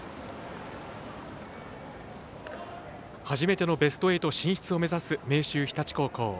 初めてのベスト８進出を目指す明秀日立高校。